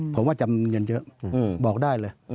ผมว่าจะเงินเยอะบอกได้เลย